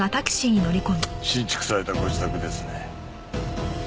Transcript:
新築されたご自宅ですね。